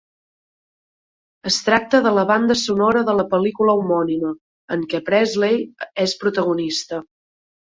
Es tracta de la banda sonora de la pel·lícula homònima, en què Presley és protagonista.